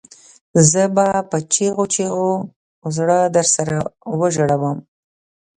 زه به په چیغو چیغو زړه درسره وژړوم